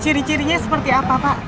ciri cirinya seperti apa pak